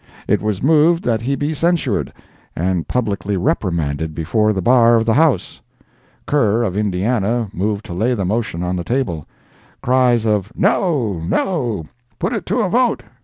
It was moved that he be censured, and publicly reprimanded before the bar of the House. Kerr, of Indiana, moved to lay the motion on the table. [Cries of "No!—no!—put it to a vote!